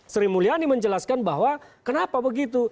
sri mulyani menjelaskan bahwa kenapa begitu